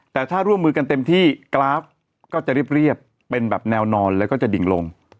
แต่ถ้าร่วมมือกันเต็มที่กราฟก็จะเรียบเป็นแบบแนวนอนแล้วก็จะดิ่งลง